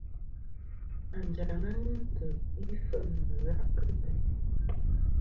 Anjaŋ-a ghɨ nt̀' i fe'nɨ gha' kɨ teyn.